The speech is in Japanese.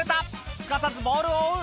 すかさずボールを追う。